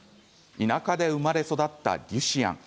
田舎で生まれ育ったリュシアン。